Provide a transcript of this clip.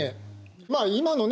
まあ今のね